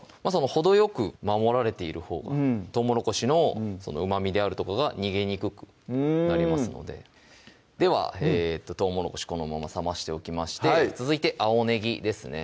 程よく守られているほうがとうもろこしのうまみであるとかが逃げにくくなりますのでではとうもろこしこのまま冷ましておきまして続いて青ねぎですね